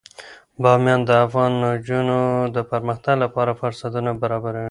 بامیان د افغان نجونو د پرمختګ لپاره فرصتونه برابروي.